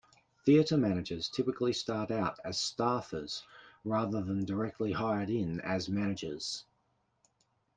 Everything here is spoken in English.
Theater Managers typically start out as staffers rather than directly hired in as managers.